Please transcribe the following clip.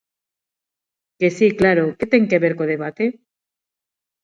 Que si, claro, ¿que ten que ver co debate?